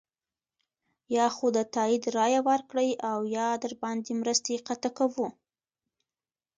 یا خو د تایید رایه ورکړئ او یا درباندې مرستې قطع کوو.